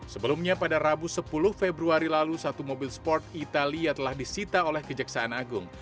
sebelumnya pada rabu sepuluh februari lalu satu mobil sport italia telah disita oleh kejaksaan agung